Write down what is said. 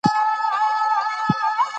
سنگ مرمر د افغانستان د سیلګرۍ برخه ده.